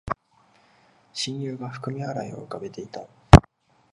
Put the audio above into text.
親友が含み笑いを浮かべていた